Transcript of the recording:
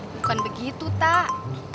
bukan begitu tak